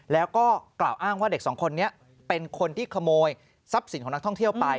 แล้วก็กล่าวอ้างว่าเด็กสองคนนี้เป็นคนที่ขโมยทรัพย์สินของนักท่องเที่ยวไป